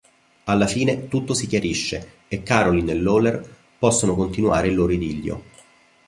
Alla fine, tutto si chiarisce e Caroline e Lawler possono continuare il loro idillio.